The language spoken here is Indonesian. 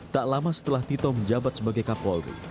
tak lama setelah tito menjabat sebagai kapolri